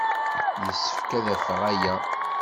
Yessefk ad d-afeɣ aya.